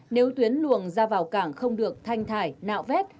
nếu tuyến luồng ra vào cảng không được thanh thải nạo vét